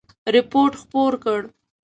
رپوټ خپور کړ.